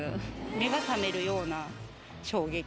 目が覚めるような衝撃。